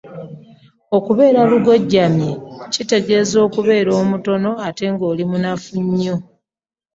Okubeera lugoojamye kitegeeza okubeera omutono ate ng’oli munafu nnyo.